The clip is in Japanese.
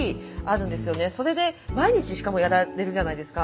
それで毎日しかもやられるじゃないですか。